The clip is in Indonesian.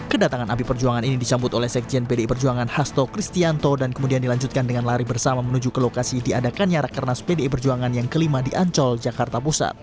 kedatangan api perjuangan ini disambut oleh sekjen pdi perjuangan hasto kristianto dan kemudian dilanjutkan dengan lari bersama menuju ke lokasi diadakannya rakernas pdi perjuangan yang kelima di ancol jakarta pusat